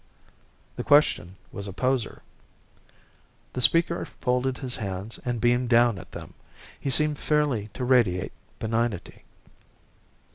The question was a poser. The speaker folded his hands and beamed down at them; he seemed fairly to radiate benignity.